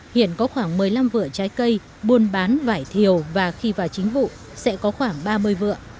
hiện có khoảng một mươi năm vựa trái cây buôn bán vải thiều và khi vào chính vụ sẽ có khoảng ba mươi vựa